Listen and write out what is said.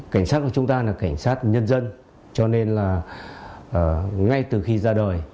cảnh sát của chúng ta là cảnh sát nhân dân cho nên là ngay từ khi ra đời